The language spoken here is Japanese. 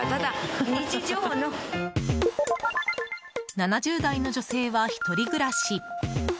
７０代の女性は、１人暮らし。